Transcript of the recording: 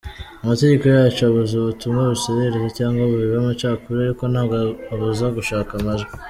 Amategeko yacu abuza ubutumwa busesereza cyangwa bubiba amacakubiri ariko ntabwo abuza gushaka amajwi.